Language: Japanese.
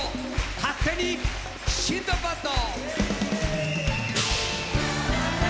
「勝手にシンドバッド」！